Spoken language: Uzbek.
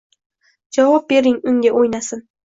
Javob bering unga, oʻynasin